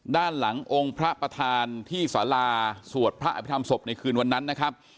ด้านหลังองค์พระประธานที่สาราสวดพระอภิษฐรรศพในคืนวันนั้นนะครับ